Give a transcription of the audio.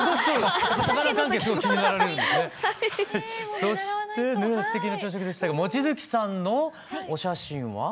そしてねえすてきな朝食でしたが望月さんのお写真は？